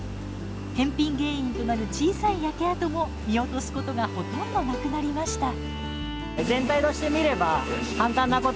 返品原因となる小さい焼け跡も見落とすことがほとんどなくなりました。